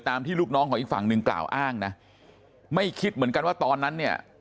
ที่ลูกน้องของอีกฝั่งหนึ่งกล่าวอ้างนะไม่คิดเหมือนกันว่าตอนนั้นเนี่ย